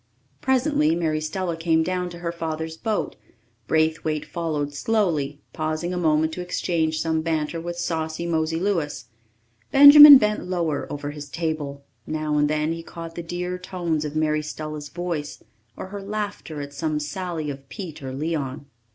Presently Mary Stella came down to her father's boat. Braithwaite followed slowly, pausing a moment to exchange some banter with saucy Mosey Louis. Benjamin bent lower over his table; now and then he caught the dear tones of Mary Stella's voice or her laughter at some sally of Pete or Leon.